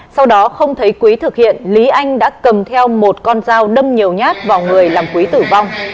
sau đó không thấy quý thực hiện lý anh đã cầm theo một con dao đâm nhiều nhát vào người làm quý tử vong